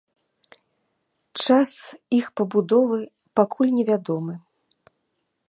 Час іх пабудовы пакуль не вядомы.